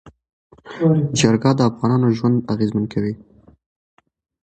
جلګه د افغانانو ژوند اغېزمن کوي.